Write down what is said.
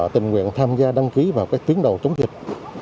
tình nguyện tham gia đăng ký vào cái tuyến đầu chống dịch